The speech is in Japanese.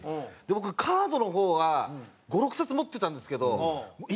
僕カードの方は５６冊持ってたんですけど。